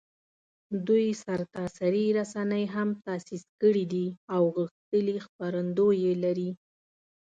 دوی سرتاسري رسنۍ هم تاسیس کړي دي او غښتلي خپرندویې لري